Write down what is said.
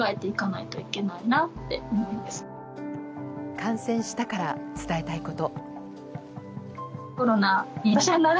感染したから伝えたいこと。